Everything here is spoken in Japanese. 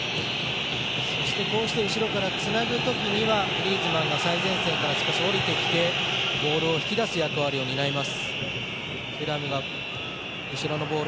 後ろからつなぐときにはグリーズマンが最前線からおりてきてボールを引き出す役割を担います。